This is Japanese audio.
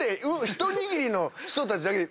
一握りの人たちだけ。